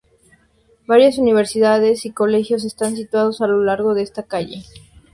Varias universidades y colegios están situados a lo largo de esta calle.